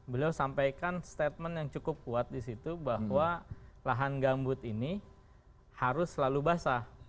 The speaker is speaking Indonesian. beliau sampaikan statement yang cukup kuat di situ bahwa lahan gambut ini harus selalu basah